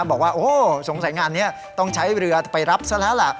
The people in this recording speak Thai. บอกว่าโอ้สงสัยงานนี้ต้องใช้เรือไปรับซะแล้วล่ะ